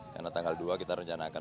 karena tanggal dua kita rencanakan